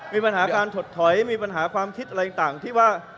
มีปัญหาการถดถอยมีปัญหาความคิดอะไรต่างที่ว่า